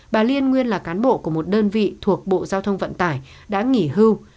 bà liên nguyên là cán bộ của một đơn vị thuộc bộ giao thông vận tải đã nghỉ hưu